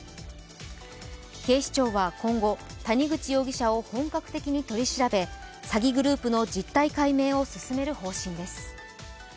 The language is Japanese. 警視庁は今後、谷口容疑者を本格的に取り調べ詐欺グループの実態解明を進める方針です。